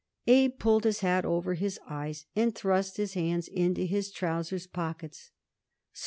Abe pulled his hat over his eyes and thrust his hands into his trousers' pockets.